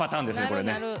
これね。